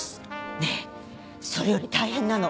ねえそれより大変なの。